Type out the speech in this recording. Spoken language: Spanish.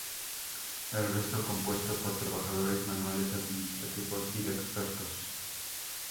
El resto compuesto por trabajadores manuales administrativos y de expertos.